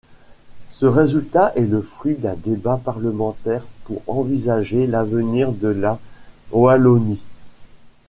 Ce résultat est le fruit d'un débat parlementaire pour envisager l'avenir de la Wallonie.